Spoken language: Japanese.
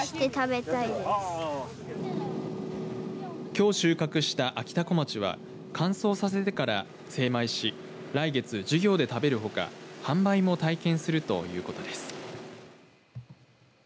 きょう収穫したあきたこまちは乾燥させてから精米し来月、授業で食べるほか販売も体験するということです。